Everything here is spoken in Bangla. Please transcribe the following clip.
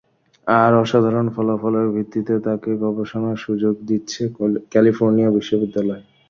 তার অসাধারণ ফলাফলের ভিত্তিতে তাকে গবেষণার সুযোগ দিচ্ছে ক্যালিফোর্নিয়া বিশ্ববিদ্যালয়।